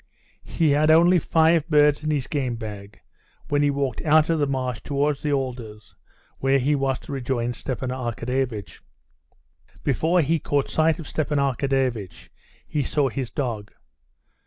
He had only five birds in his game bag when he walked out of the marsh towards the alders where he was to rejoin Stepan Arkadyevitch. Before he caught sight of Stepan Arkadyevitch he saw his dog.